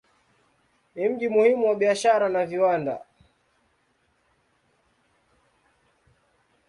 Ni mji muhimu wa biashara na viwanda.